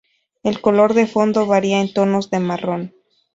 El color de fondo varía en tonos de marrón.